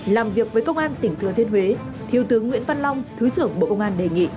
làm việc với công an tỉnh thừa thiên huế thiếu tướng nguyễn văn long thứ trưởng bộ công an đề nghị